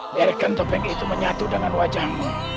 biarkan topik itu menyatu dengan wajahmu